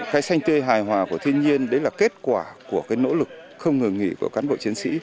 cái xanh tươi hài hòa của thiên nhiên đấy là kết quả của cái nỗ lực không ngừng nghỉ của cán bộ chiến sĩ